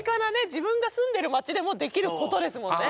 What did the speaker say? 自分が住んでる町でもできることですもんね。